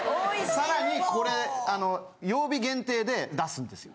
さらにこれ曜日限定で出すんですよ。